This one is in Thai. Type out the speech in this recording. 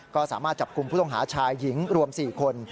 ก็สามารถจับกลุ่มผู้ต้องหาชายหญิงรวม๔คน